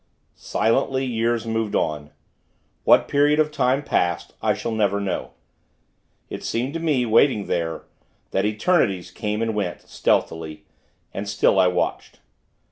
Silently, years moved on. What period of time passed, I shall never know. It seemed to me, waiting there, that eternities came and went, stealthily; and still I watched.